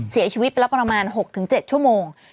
เสียชีวิตไปแล้วประมาณ๖๗ชั่วโมง